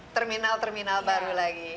terminal terminal baru lagi